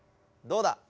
どうだ？